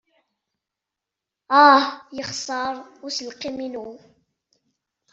Ah! Yexṣer uselkim-inu.